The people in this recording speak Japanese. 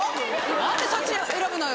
何でそっち選ぶのよ。